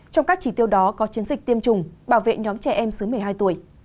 trong các chỉ tiêu đó có chiến dịch tiêm chủng bảo vệ nhóm trẻ em dưới một mươi hai tuổi